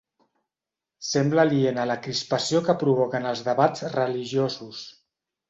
Sembla aliena a la crispació que provoquen els debats religiosos.